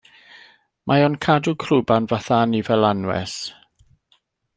Mae o'n cadw crwban fatha anifail anwes.